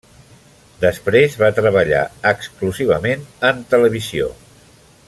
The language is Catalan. Després va treballar exclusivament en televisió.